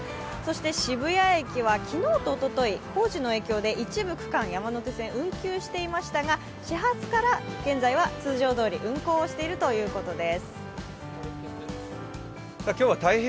渋谷駅は昨日とおととい、工事の影響で一部区間山手線運休していましたが始発から現在は通常どおり運行しているということです。